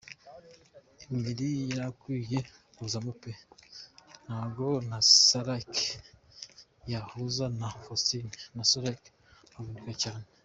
emely yarakwiye kuzamo pe ntago nasalike yahuza na faustn nasalike yavunika cyane.